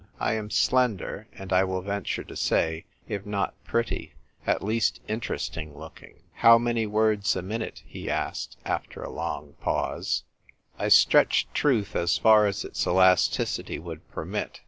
I am slender, and, I will venture to say, if not pretty, at least interesting looking. " How many words a minute ?" he asked after a long pause. 24 thb: type writer girl. I stretched truth as far as its elasticity would permit.